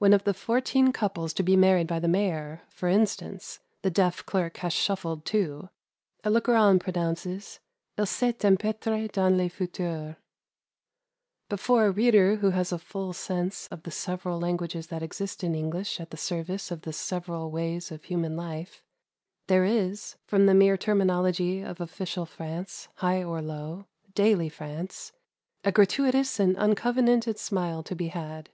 When of the fourteen couples to be married by the mayor, for instance, the deaf clerk has shuffled two, a looker on pronounces: "Il s'est empetre dans les futurs." But for a reader who has a full sense of the several languages that exist in English at the service of the several ways of human life, there is, from the mere terminology of official France, high or low daily France a gratuitous and uncovenanted smile to be had.